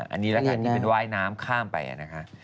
อันนี้ละกันที่เป็นว่ายน้ำข้ามไปนะคะ